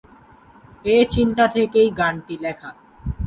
এ চিন্তা থেকেই গানটি লেখা।